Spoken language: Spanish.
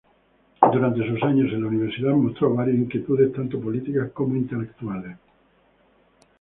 Durante sus años en la universidad mostró varias inquietudes tanto políticas como intelectuales.